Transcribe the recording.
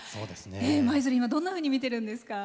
舞鶴、今どんなふうに見てるんですか？